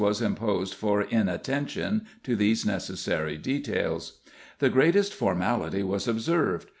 was imposed for inattention to these necessary details. The greatest formality was observed.